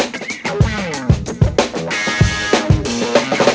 nggak ada yang denger